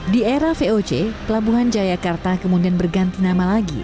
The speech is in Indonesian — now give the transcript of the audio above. di era voc pelabuhan jayakarta kemudian berganti nama lagi